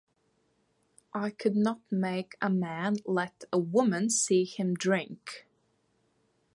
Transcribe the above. I could not make a man let a woman see him drink.